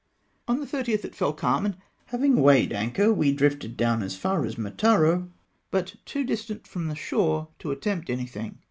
On the 30th it fell calm, and having weighed anchor we drifted down as far as Mataro, but too distant from the shore to attempt anything.